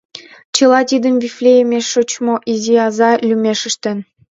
Чыла тидым Вифлеемеш шочшо Изи Аза лӱмеш ыштен.